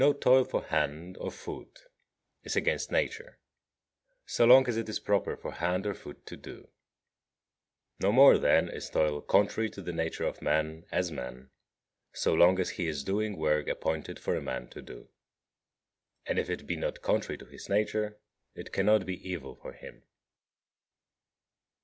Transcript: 33. No toil for hand or foot is against Nature, so long as it is proper for hand or foot to do. No more, then, is toil contrary to the nature of man, as man, so long as he is doing work appointed for man to do; and if it be not contrary to his nature it cannot be evil for him.